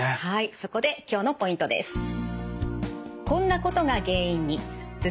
はいそこで今日のポイントです。